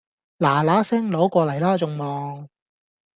嗱嗱聲攞過黎啦仲望